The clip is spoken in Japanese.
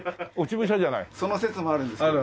その説もあるんですけど。